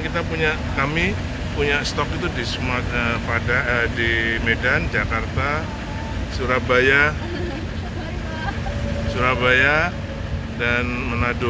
kita punya stok itu di medan jakarta surabaya dan menadu